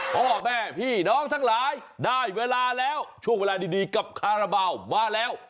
พ่อแม่พี่น้องทั้งหลายได้เวลาแล้วช่วงเวลาดีกับคาราบาลมาแล้ว